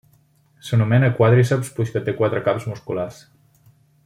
S'anomena quàdriceps puix que té quatre caps musculars.